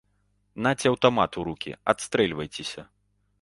Наце аўтамат у рукі, адстрэльвайцеся!